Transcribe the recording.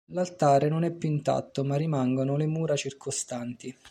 L'altare non è più intatto ma rimangano le mura circostanti.